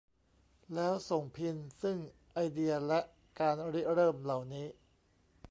แล้วส่งพิน ซึ่งไอเดียและการริเริ่มเหล่านี้